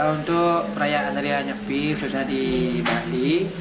untuk raya anteria nyepi khususnya di bali